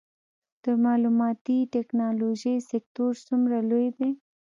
د معلوماتي ټیکنالوژۍ سکتور څومره لوی دی؟